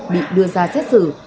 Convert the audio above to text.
bị đưa ra xét xử